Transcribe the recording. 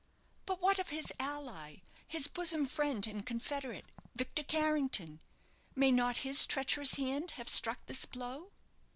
"But what of his ally his bosom friend and confederate Victor Carrington? May not his treacherous hand have struck this blow?"